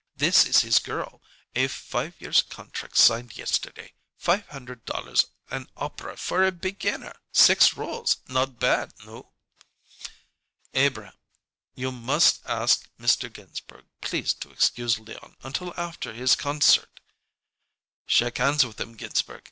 This is his girl, a five years' contract signed yesterday five hundred dollars an opera for a beginner six rôles not bad nu?" "Abrahm, you must ask Mr. Ginsberg please to excuse Leon until after his concert " "Shake hands with him, Ginsberg.